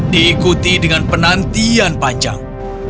diikuti dengan penantian panjang